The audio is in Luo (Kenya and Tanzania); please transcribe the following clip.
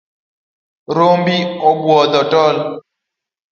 Rombi obwodho tol.